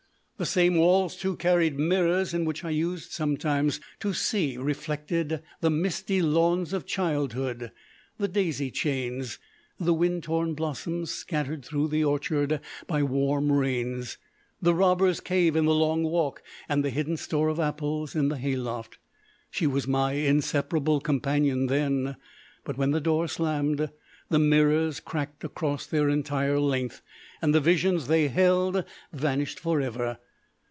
The same walls, too, carried mirrors in which I used sometimes to see reflected the misty lawns of childhood, the daisy chains, the wind torn blossoms scattered through the orchard by warm rains, the robbers' cave in the long walk, and the hidden store of apples in the hayloft. She was my inseparable companion then but, when the door slammed, the mirrors cracked across their entire length, and the visions they held vanished for ever.